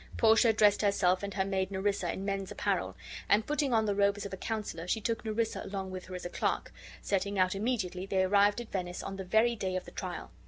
Portia dressed herself and her maid Nerissa in men's apparel, and, putting on the robes of a counselor, she took Nerissa along with her as her clerk; setting out immediately, they arrived at Venice on the very day of the trial.